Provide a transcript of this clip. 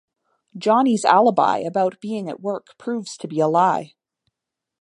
Johnny's alibi about being at work proves to be a lie.